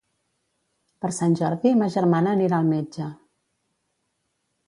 Per Sant Jordi ma germana anirà al metge.